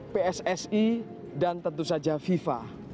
pssi dan tentu saja fifa